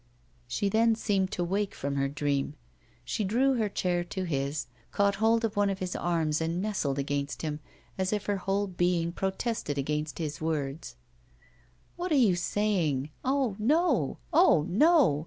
She then seemed to wake from her dream. She drew her chair to his, caught hold of one of his arms and nestled against him, as if her whole being protested against his words: 'What are you saying? Oh! no; oh! no.